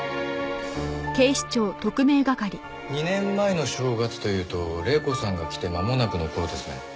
２年前の正月というと黎子さんが来て間もなくの頃ですね。